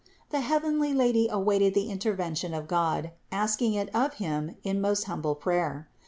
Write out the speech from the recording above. The heavenly Lady awaited the intervention of God, asking it of Him in most humble prayer.